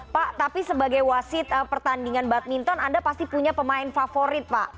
pak tapi sebagai wasit pertandingan badminton anda pasti punya pemain favorit pak